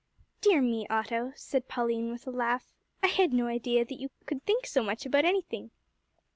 "Dear me, Otto," said Pauline, with a laugh, "I had no idea that you could think so much about anything."